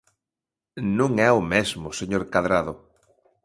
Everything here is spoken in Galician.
Non é o mesmo, señor Cadrado.